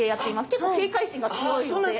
結構警戒心が強いので。